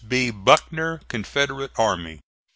B. BUCKNER, Confederate Army.